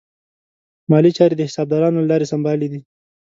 مالي چارې د حسابدارانو له لارې سمبالې دي.